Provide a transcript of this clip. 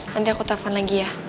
nanti aku telpon lagi ya